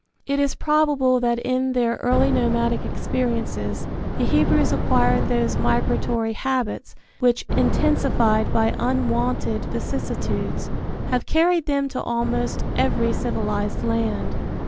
It is probable that in their early nomadic experiences the Hebrews acquired those migratory habits which, intensified by unwonted vicissitudes, have carried them to almost every civilized land.